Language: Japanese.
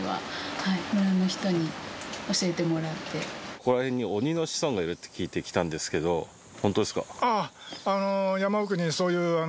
ここら辺に鬼の子孫がいるって聞いて来たんですけど本当ですか？